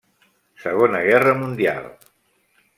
Segona Guerra Mundial.